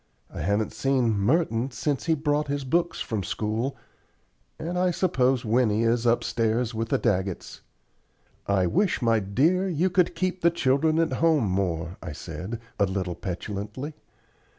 I haven't seen Merton since he brought his books from school, and I suppose Winnie is upstairs with the Daggetts." "I wish, my dear, you could keep the children at home more," I said, a little petulantly.